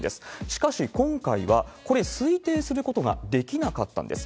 しかし、今回はこれ、推定することができなかったんです。